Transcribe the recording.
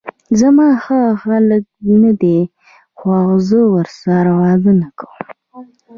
زما هغه هلک ندی خوښ، زه ورسره واده نکوم!